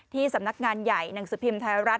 ที่สำนักงานใหญ่หนังสภิมศ์ไทยรัฐ